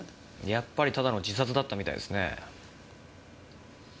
やっぱりただの自殺だったみたいですね。